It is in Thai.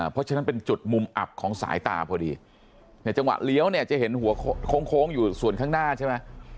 เพราะฉะนั้นเป็นจุดมุมอับของสายตาพอดีในจังหวะเลี้ยวเนี่ยจะเห็นหัวโค้งอยู่ส่วนข้างหน้าใช่ไหม